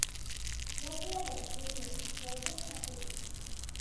მოგვიანებით რუმინეთის ფრონზე მსახურობდა.